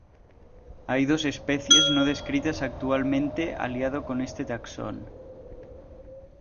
Hay dos especies no descritas actualmente aliado con este taxón.